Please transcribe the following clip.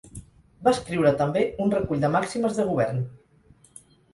Va escriure també un recull de màximes de govern.